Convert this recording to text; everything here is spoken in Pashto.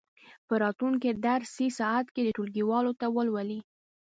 په راتلونکې درسي ساعت کې یې ټولګیوالو ته ولولئ.